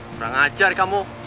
kurang ajar kamu